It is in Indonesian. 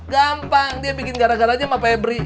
gampang dia bikin gara garanya sama pebri